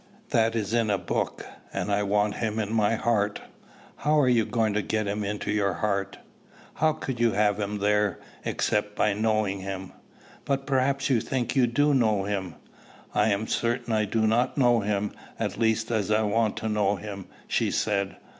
That is in a book, and I want him in my heart." "How are you to get him into your heart? How could you have him there, except by knowing him? But perhaps you think you do know him?" "I am certain I do not know him; at least, as I want to know him," she said.